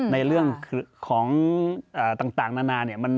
ในเรื่องของต่างนานา